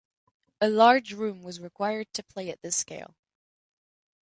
A large room was required to play at this scale.